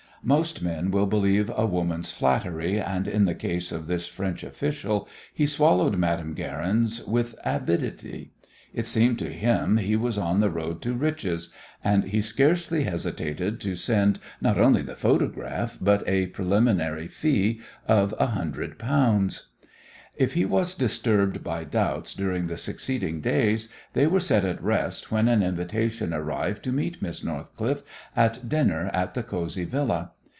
Most men will believe a woman's flattery, and in the case of this French official he swallowed Madame Guerin's with avidity. It seemed to him he was on the road to riches, and he scarcely hesitated to send not only the photograph but a preliminary fee of a hundred pounds. If he was disturbed by doubts during the succeeding days, they were set at rest when an invitation arrived to meet Miss Northcliffe at dinner at the cosy Villa.